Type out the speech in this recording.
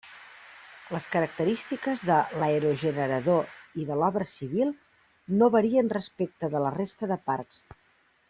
Les característiques de l'aerogenerador i de l'obra civil no varien respecte de la resta de parcs.